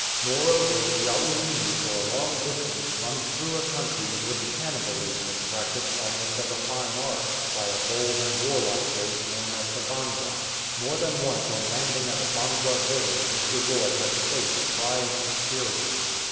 Moreover, the Aruwimi for a long distance runs through a country in which cannibalism is practised almost as a fine art by a bold and warlike race known as the Bangwa. More than once on landing at a Bangwa village Mr Lloyd had to face a trying experience.